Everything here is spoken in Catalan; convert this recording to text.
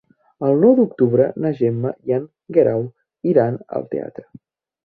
El nou d'octubre na Gemma i en Guerau iran al teatre.